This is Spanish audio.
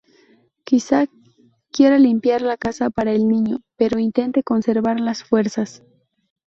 Quizá quiera limpiar la casa para el niño, pero intente conservar las fuerzas.